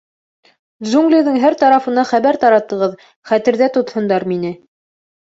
Джунглиҙың һәр тарафына хәбәр таратығыҙ — хәтерҙә тотһондар мине.